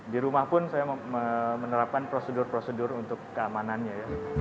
di rumah pun saya menerapkan prosedur prosedur untuk keamanannya ya